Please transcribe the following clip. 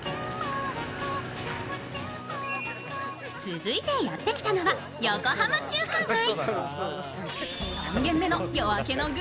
続いてやってきたのは横浜中華街。